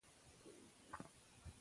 یو نبض تولیدوونکی برېښنايي سیګنال لېږي.